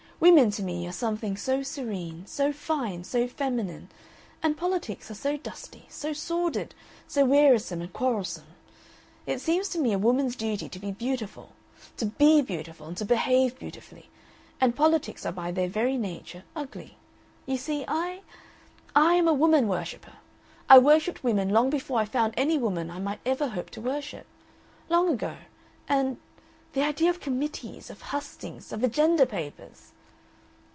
Women to me are something so serene, so fine, so feminine, and politics are so dusty, so sordid, so wearisome and quarrelsome. It seems to me a woman's duty to be beautiful, to BE beautiful and to behave beautifully, and politics are by their very nature ugly. You see, I I am a woman worshipper. I worshipped women long before I found any woman I might ever hope to worship. Long ago. And the idea of committees, of hustings, of agenda papers!"